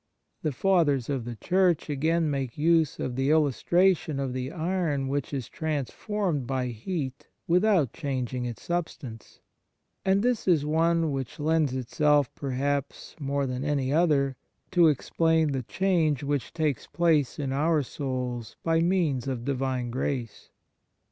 The Fathers of the Church again make use of the illustration of the iron which is transformed by heat without changing its substance ; and this is one which lends itself, perhaps, more than any other to explain the change which takes place in our souls by means of Divine grace.